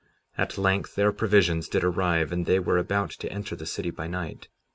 57:10 At length their provisions did arrive, and they were about to enter the city by night.